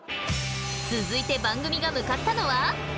続いて番組が向かったのは。